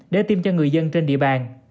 để tiêm cho người dân trên địa bàn